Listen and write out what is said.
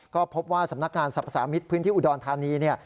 ก็พบว่าสำนักการณ์สรรพสามิตรพื้นที่อุดรธานี